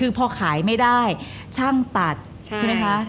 คือพอขายไม่ได้ช่างตัดใช่ไหมคะ